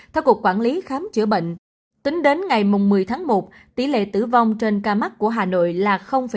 theo cục quản lý khám chữa bệnh tính đến ngày một mươi tháng một tỷ lệ tử vong trên ca mắc của hà nội là một